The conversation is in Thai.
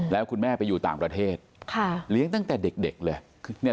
แล้วคุณแม่ไปอยู่ต่างประเทศเลี้ยงตั้งแต่เด็กเลย